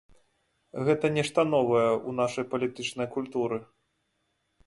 Гэта нешта новае ў нашай палітычнай культуры.